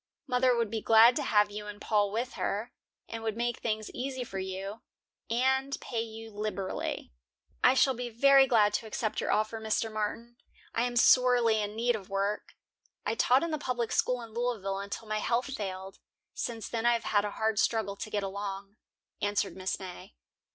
Mother would be glad to have you and Paul with her, and would make things easy for you, and pay you liberally." "I shall be very glad to accept your offer, Mr. Martin. I am sorely in need of work. I taught in the public school in Louisville until my health failed. Since then I have had a hard struggle to get along," answered Mrs. May.